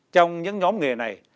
trong những nhóm nghề này